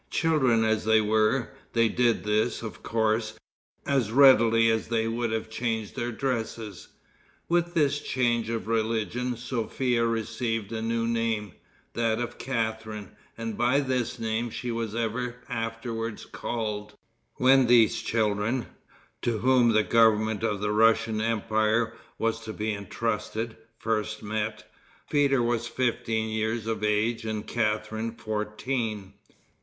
Children as they were, they did this, of course, as readily as they would have changed their dresses. With this change of religion Sophia received a new name, that of Catharine, and by this name she was ever afterward called. When these children, to whom the government of the Russian empire was to be intrusted, first met, Peter was fifteen years of age and Catharine fourteen.